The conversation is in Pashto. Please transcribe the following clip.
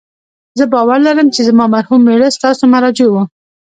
زه باور لرم چې زما مرحوم میړه ستاسو مراجع و